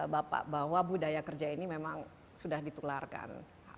bapak bahwa budaya kerja ini memang sudah ditularkan